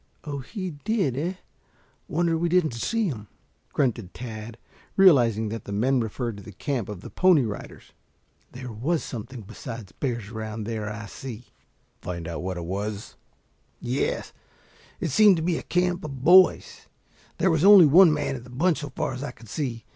"Oh, he did, eh? Wonder we didn't see him," grunted Tad, realizing that the men referred to the camp of the Pony Riders. "There was something besides bears around there, I see." "Find out what it was!" "Yes, it seemed to be a camp of boys. There was only one man in the bunch so far as I could see.